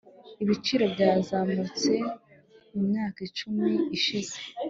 ibiciro byazamutse mu myaka icumi ishize